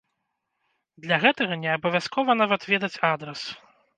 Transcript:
Для гэтага неабавязкова нават ведаць адрас.